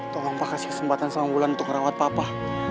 tolong pak kasih kesempatan sama bulan untuk ngerawat papa